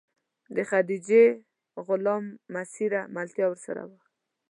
د خدیجې غلام میسره ملتیا ورسره وه.